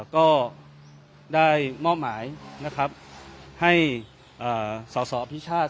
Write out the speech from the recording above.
ก็ได้มอบหมายนะครับให้สอสออภิชาติ